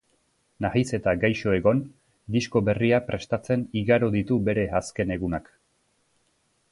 Nahiz eta gaixo egon, disko berria prestatzen igaro ditu bere azken egunak.